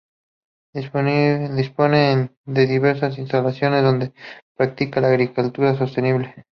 Dispone de diversas instalaciones donde practica la agricultura sostenible.